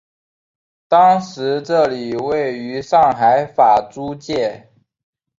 当时这里位于上海法租界。